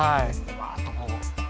わぁっとこう。